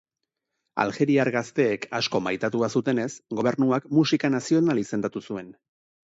Aljeriar gazteek asko maitatua zutenez, gobernuak musika nazional izendatu zuen.